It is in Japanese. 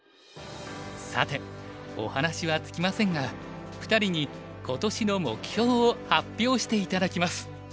さてお話は尽きませんが２人に今年の目標を発表して頂きます。